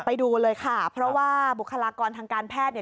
ไปดูเลยค่ะเพราะว่าบุคลากรทางการแพทย์เนี่ย